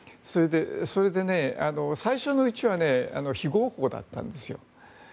それで、最初のうちは非合法だったんですよ。